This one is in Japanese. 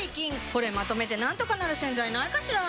これまとめてなんとかなる洗剤ないかしら？